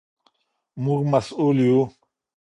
موږ مسؤل یو.